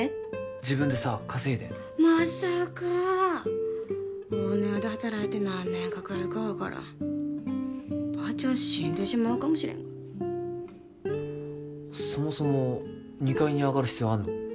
自分でさ稼いでまさか大野屋で働いて何年かかるか分からんばーちゃん死んでしまうかもしれんがそもそも二階に上がる必要あるの？